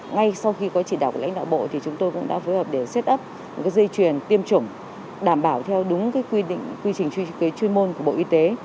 ngay sau khi có chỉ đạo của lãnh đạo bộ thì chúng tôi cũng đã phối hợp để xếp ấp dây chuyền tiêm chủng đảm bảo theo đúng quy trình chuyên môn của bộ y tế